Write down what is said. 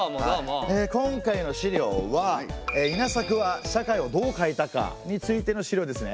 今回の資料は「稲作は社会をどう変えたか？」についての資料ですね。